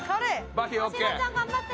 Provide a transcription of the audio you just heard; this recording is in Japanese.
マシロちゃん頑張って。